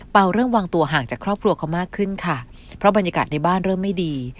เริ่มวางตัวห่างจากครอบครัวเขามากขึ้นค่ะเพราะบรรยากาศในบ้านเริ่มไม่ดี